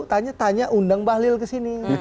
tanya tanya undang bahlil ke sini